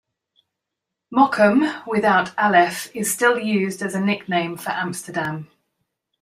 "Mokum", without "Aleph", is still used as a nickname for Amsterdam.